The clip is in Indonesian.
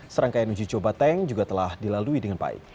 serangkaian uji coba tank juga telah dilalui dengan baik